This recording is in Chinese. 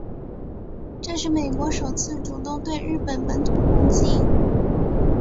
这是美国首次主动对日本本土攻击。